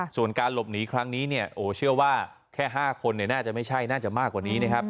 ส่วนการหลบหนีครั้งนี้เนี่ยโอ้เชื่อว่าแค่๕คนน่าจะไม่ใช่น่าจะมากกว่านี้นะครับ